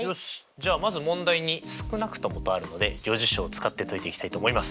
じゃあまず問題に「少なくとも」とあるので余事象を使って解いていきたいと思います。